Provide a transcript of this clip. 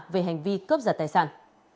về hành vi cấp giật tài sản